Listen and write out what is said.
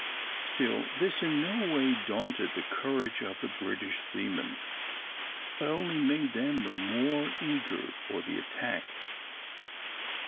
Still this in no way daunted the courage of the British seamen, but only made them the more eager for the attack.